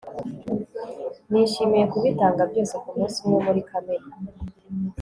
nishimiye kubitanga byose kumunsi umwe muri kamena